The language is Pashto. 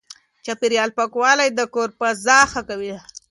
چاپېريال پاکوالی د کور فضا ښه کوي.